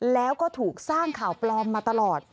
แล้วก็ถูกสร้างข่าวปลอมมาตลอด